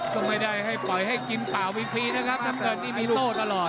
ก็ไม่ได้ให้ปล่อยให้กินเปล่ามีฟรีนะครับน้ำเงินนี่มีโต้ตลอด